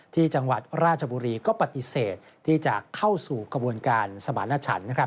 ที่จังหวัดราชบุรีก็ปฏิเสธที่จะเข้าสู่กระบวนการสมารณชัน